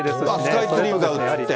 スカイツリーが映って。